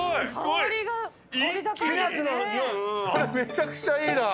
これめちゃくちゃいいな。